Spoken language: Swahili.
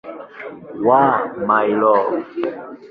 wa "My Love".